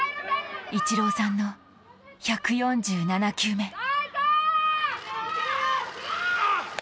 イチローさんの１４７球目。